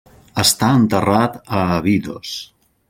Està enterrat a Abidos.